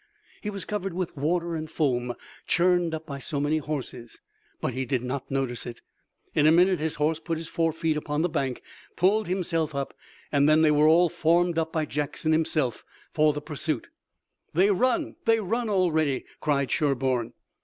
He was covered with water and foam, churned up by so many horses, but he did not notice it. In a minute his horse put his forefeet upon the bank, pulled himself up, and then they were all formed up by Jackson himself for the pursuit. "They run! They run already!" cried Sherburne.